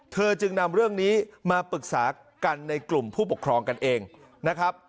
จึงนำเรื่องนี้มาปรึกษากันในกลุ่มผู้ปกครองกันเองนะครับ